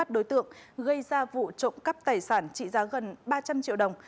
đối tượng gây ra vụ trộm cắp tài sản trị giá gần ba trăm linh triệu đồng